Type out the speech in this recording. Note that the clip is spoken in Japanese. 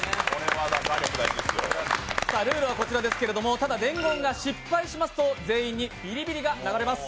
ルールはこちらですけれども、ただ伝言が失敗しますと、全員にビリビリが流れます。